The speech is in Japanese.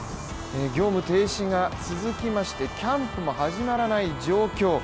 業務停止が続きましてキャンプも始まらない状況。